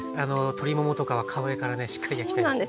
鶏ももとかは皮目からねしっかり焼きたいですよね。